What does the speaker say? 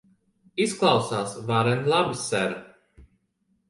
Izklausās varen labi, ser.